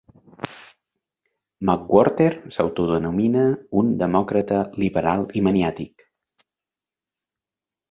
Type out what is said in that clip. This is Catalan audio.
McWhorter s'autodenomina "un demòcrata liberal i maniàtic".